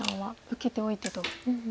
受けておいてと。